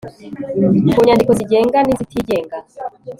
ku nyandiko zigenga nizitigenga